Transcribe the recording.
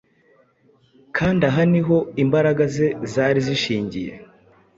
kandi aha niho imbaraga ze zari zishingiye.